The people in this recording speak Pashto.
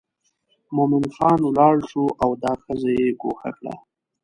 مومن خان ولاړ شو او دا ښځه یې ګوښه کړه.